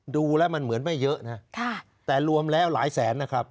ดูแล้วมันเหมือนไม่เยอะนะแต่รวมแล้วหลายแสนนะครับ